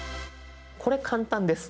これ簡単です。